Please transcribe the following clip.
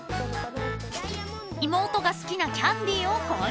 ［妹が好きなキャンディーを購入］